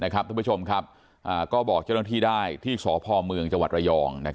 ก็บอกเจ้าหน้าที่ได้ที่สพมสรย